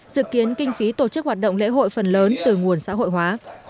dự kiến kinh phí tổ chức hoạt động lễ hội phần lớn từ nguồn xã hội hóa